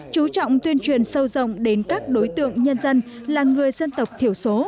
chú trọng tuyên truyền sâu rộng đến các đối tượng nhân dân là người dân tộc thiểu số